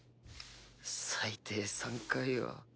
最低３回は